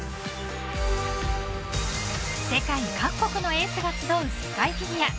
世界各国のエースが集う世界フィギュア。